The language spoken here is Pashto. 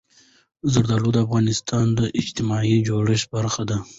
زردالو د افغانستان د اجتماعي جوړښت برخه ده.